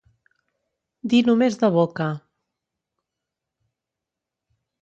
Dir només de boca.